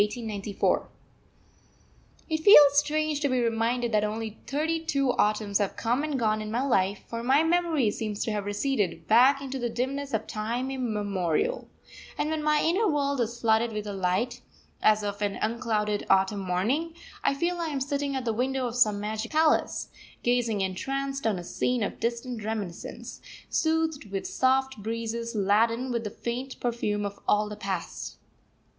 _ It feels strange to be reminded that only thirty two Autumns have come and gone in my life; for my memory seems to have receded back into the dimness of time immemorial; and when my inner world is flooded with a light, as of an unclouded autumn morning, I feel I am sitting at the window of some magic palace, gazing entranced on a scene of distant reminiscence, soothed with soft breezes laden with the faint perfume of all the Past.